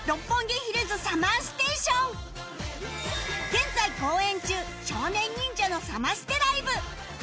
現在公演中少年忍者のサマステライブ